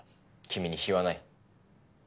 君に非はない。